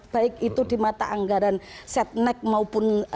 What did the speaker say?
baik itu di mata anggaran setnek maupun